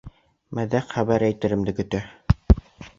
Мәҙәк хәбәр әйтеремде көтә.